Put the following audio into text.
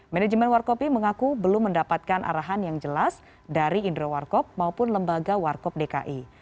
manajemen warkopi mengaku belum mendapatkan arahan yang jelas dari indro warkop maupun lembaga warkop dki